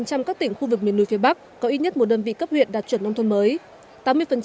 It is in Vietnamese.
một trăm linh các tỉnh khu vực miền núi phía bắc có ít nhất một đơn vị cấp huyện đạt chuẩn nông thôn mới